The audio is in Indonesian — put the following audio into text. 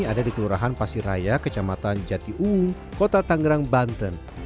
ada di kelurahan pasir raya kecamatan jatiung kota tanggerang banten